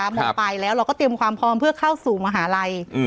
หมดไปแล้วเราก็เตรียมความพร้อมเพื่อเข้าสู่มหาลัย